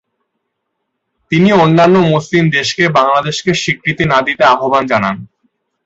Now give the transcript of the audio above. তিনি অন্যান্য মুসলিম দেশকে বাংলাদেশকে স্বীকৃতি না দিতে আহবান জানান।